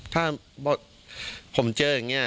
ถ้าผมเจออย่างนี้